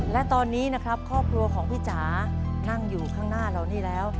และตอนนี้นะครับครอบครัวของพี่จ๋านั่งอยู่ข้างหน้าเรานี่แล้ว